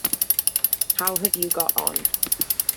How have you got on?